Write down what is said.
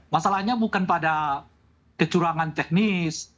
masalahnya bukan pada kecurangan teknis